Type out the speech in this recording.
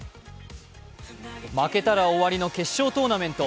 負けたら終わりの決勝トーナメント。